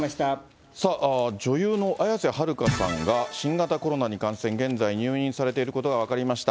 さあ、女優の綾瀬はるかさんが、新型コロナに感染、現在、入院されていることが分かりました。